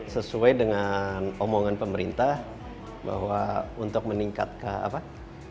sesuai dengan omongan pemerintah bahwa untuk meningkatkan menurunkan polusi yang sedang tinggi sekarang